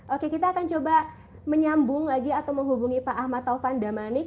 oke kita akan coba menyambung lagi atau menghubungi pak ahmad taufan damanik